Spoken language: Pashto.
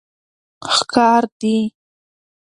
ښکار دي